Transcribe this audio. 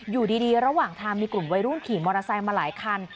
อยู่ดีระหว่างทางมีกลุ่มวัยรุ่นขี่มอเตอร์ไซค์มาหลายคัน